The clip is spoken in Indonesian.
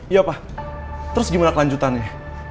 iya pak terus gimana kelanjutannya